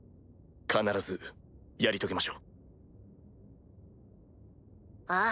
必ずやり遂げましょうああ